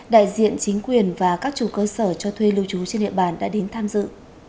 đại diện chính quyền và các chủ cơ sở cho thuê lưu trú trên địa bàn đã đến tham dự